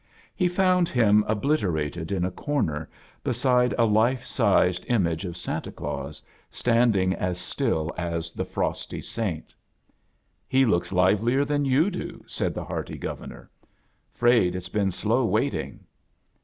He found him oblit ;erated in a comer beside a life sized im A JOUKNEY IN SEARCH OF CHRISTMAS age of Santa Gaus, standiag as still as the frosty saint. "He looks livelier than yoa do," said> the hearty Governor. '"Fraid it's fccen slow waiting."